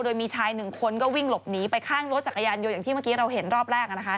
โดยมีชายหนึ่งคนก็วิ่งหลบหนีไปข้างรถจักรยานยนต์อย่างที่เมื่อกี้เราเห็นรอบแรก